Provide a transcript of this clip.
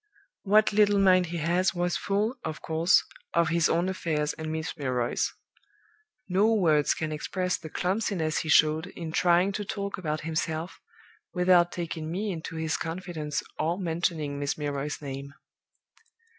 "What little mind he has was full, of course, of his own affairs and Miss Milroy's. No words can express the clumsiness he showed in trying to talk about himself, without taking me into his confidence or mentioning Miss Milroy's name.